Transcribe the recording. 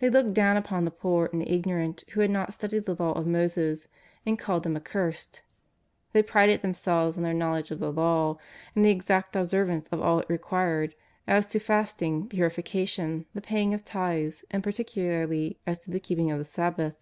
They looked down upon the poor and the ignorant who had not studied the Law of Moses, and called them " accursed." They prided themselves on their knowledge of the Law 'and their exact observance of all it required as to fast ing, purification, the paying of tithes and particularly as to the keeping of the Sabbath.